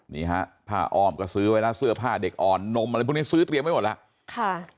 นี่ฮะผ้าอ้อมก็ซื้อไว้แล้วเสื้อผ้าเด็กอ่อนนมอะไรพวกนี้ซื้อเตรียมไว้หมดแล้วค่ะ